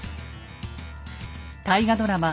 大河ドラマ